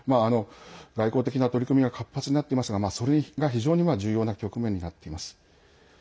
外交的な取り組みが活発になっていますがそれが非常に重要な局面になっています。